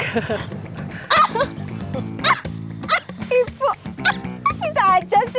ah ibu bisa aja sih